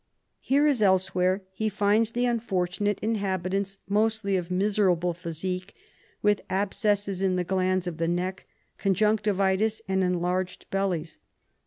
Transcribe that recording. Here, as elsewhere, he finds the unfortunate inhabitants mostly of miserable physique, with abscesses in the glands of the neck, conjunctivitis and enlarged bellies.